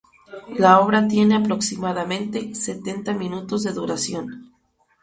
La obra tiene, aproximadamente, setenta minutos de duración.